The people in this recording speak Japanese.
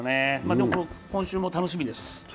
でも、今週も楽しみです。